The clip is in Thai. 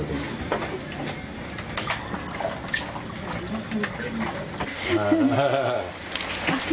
พร้อมทุกสิทธิ์